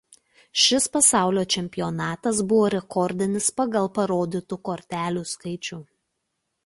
Šis pasaulio čempionatas buvo rekordinis pagal parodytų kortelių skaičių.